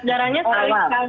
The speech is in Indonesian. tes darahnya sekali sekali